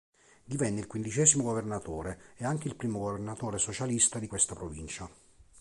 Divenne il quindicesimo governatore e anche il primo governatore "socialista" di questa provincia.